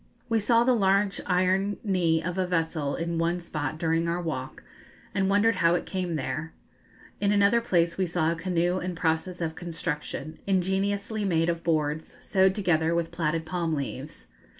We saw the large iron knee of a vessel in one spot during our walk, and wondered how it came there. In another place we saw a canoe in process of construction, ingeniously made of boards, sewed together with plaited palm leaves.